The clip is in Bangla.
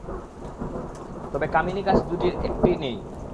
তবে কামিনী গাছ দুটির একটি নেই।